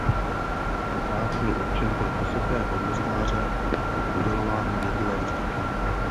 Řád byl určen pro vysoké hodnostáře a byl udělován v jediném stupni.